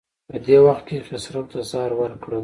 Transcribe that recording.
په دې وخت کې یې خسرو ته زهر ورکړل.